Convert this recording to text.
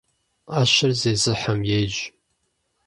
Iэщыр зезыхьэм ейщ.